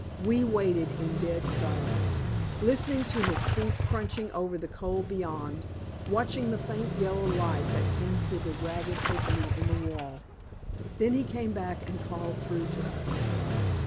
We waited in dead silence, listening to his feet crunching over the coal beyond, watching the faint yellow light that came through the ragged opening in the wall. Then he came back and called through to us.